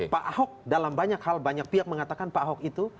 pak ahok dalam banyak hal banyak pihak mengatakan pak ahok itu